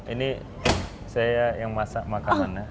ini saya yang masak makanan ya